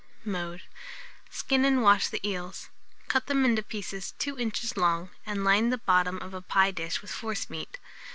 Mode. Skin and wash the eels, cut them into pieces 2 inches long, and line the bottom of the pie dish with forcemeat.